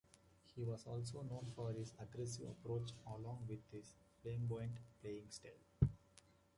He was also known for his aggressive approach along with his flamboyant playing style.